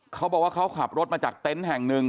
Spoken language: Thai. เขาบอกว่าเขาขับรถมาจากเต็นต์แห่งหนึ่ง